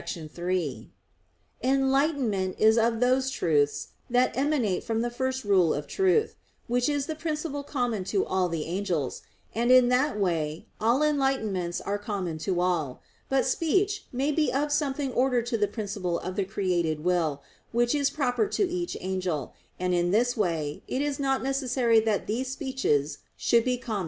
3: Enlightenment is of those truths that emanate from the first rule of truth, which is the principle common to all the angels; and in that way all enlightenments are common to all. But speech may be of something ordered to the principle of the created will, which is proper to each angel; and in this way it is not necessary that these speeches should be common to all.